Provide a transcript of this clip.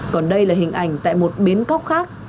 còn đây là hình ảnh tại một biến cóc khác